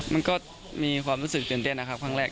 มันก็มีความรู้สึกตื่นเต้นนะครับครั้งแรก